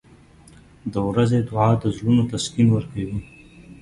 • د ورځې دعا د زړونو تسکین ورکوي.